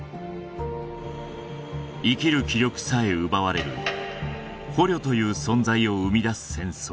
生きる気力さえ奪われる捕虜という存在を生みだす戦争